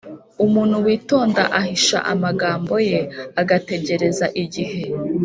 umuntu witonda ahisha amagambo ye, agategereza igihe,